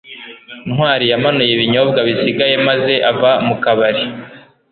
ntwali yamanuye ibinyobwa bisigaye maze ava mu kabari